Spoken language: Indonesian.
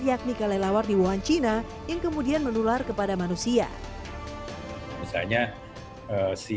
yakni kelelawar di wan china yang kemudian menular kepada manusia misalnya